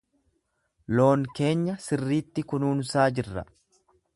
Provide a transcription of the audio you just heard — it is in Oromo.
Loon keenya sirriitti kunuunsaa jirra.